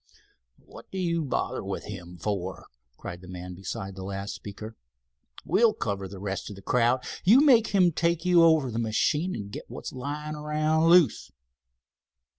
"What do you bother with him for?" cried the man beside the last speaker. "We'll cover the rest of the crowd. You make him take you over the machine and get what's lying around loose."